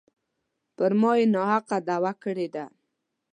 پر ما یې ناحقه دعوه کړې ده.